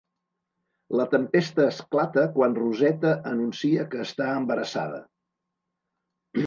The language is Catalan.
La tempesta esclata quan Roseta anuncia que està embarassada.